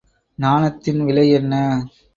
நாணத்தின் விலை என்ன?